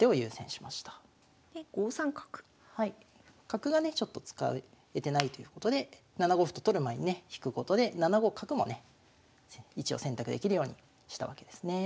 角がねちょっと使えてないということで７五歩と取る前にね引くことで７五角もね一応選択できるようにしたわけですね。